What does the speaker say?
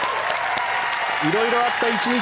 色々あった１日。